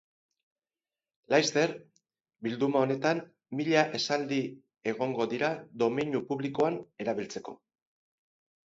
Laster, bilduma honetan, mila esaldi egongo dira domeinu publikoan erabiltzeko.